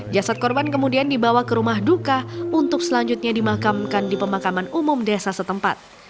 jasad korban kemudian dibawa ke rumah duka untuk selanjutnya dimakamkan di pemakaman umum desa setempat